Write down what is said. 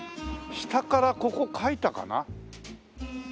下から描いたかな。